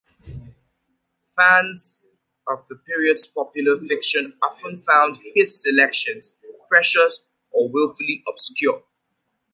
Fans of the period's popular fiction often found his selections precious or willfully obscure.